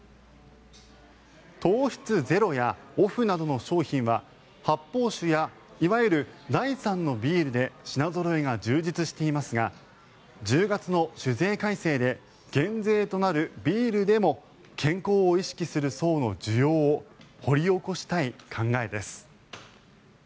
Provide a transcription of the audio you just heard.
糖質ゼロやオフなどの商品は発泡酒やいわゆる第３のビールで品ぞろえが充実していますが１０月の酒税改正で減税となるビールでも健康を意識する層の需要を掘り起こしたい考えです。